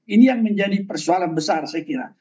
ini yang menjadi persoalan besar saya kira